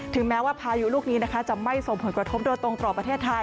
แม้ว่าพายุลูกนี้นะคะจะไม่ส่งผลกระทบโดยตรงต่อประเทศไทย